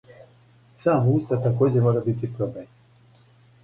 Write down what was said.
Сам устав такође мора бити промењен.